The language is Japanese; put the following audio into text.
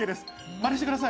まねしてください。